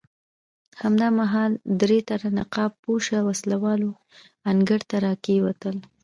همدا مهال درې تنه نقاب پوشه وسله وال انګړ ته راکېوتل.